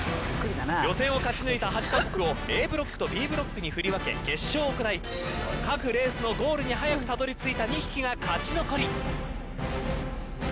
予選を勝ち抜いた８カ国をＡブロックとＢブロックに振り分け決勝を行い各レースのゴールに早くたどり着いた２匹が勝ち残り。